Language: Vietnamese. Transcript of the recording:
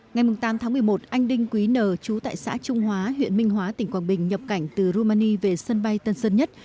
ngày tám tháng một mươi một anh đinh quý n chú tại xã trung hóa huyện minh hóa tỉnh quảng bình nhập cảnh từ rumani về sân bay tân sơn nhất